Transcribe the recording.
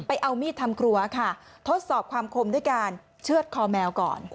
เอามีดทำครัวค่ะทดสอบความคมด้วยการเชื่อดคอแมวก่อน